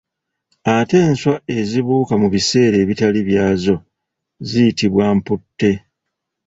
Ate enswa ezibuuka mu biseera ebitali byazo ziyitibwa mputte.